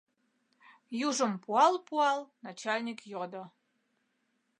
— южым пуал-пуал, начальник йодо.